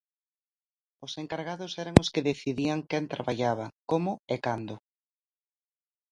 Os encargados eran os que decidían quen traballaba, como e cando.